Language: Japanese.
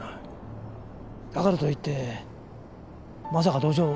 だからと言ってまさか同情を？